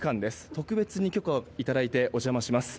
特別に許可をいただいてお邪魔します。